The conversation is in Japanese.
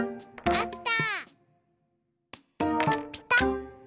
あった。